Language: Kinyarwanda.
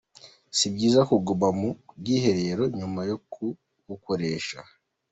Si byiza kuguma mu bwiherero nyuma yo kubukoresha.